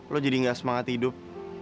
lo jadi gak semangat hidup